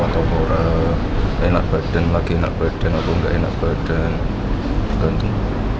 atau murah enak badan lagi enak badan atau enggak enak badan tergantung